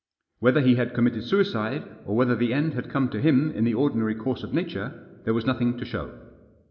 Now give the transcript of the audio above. Whether he had committed suicide, or whether the end had come to him in the ordinary course of nature, there was nothing to show.